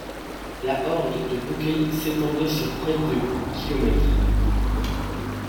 La Horde de Boukeï s'étendait sur près de km.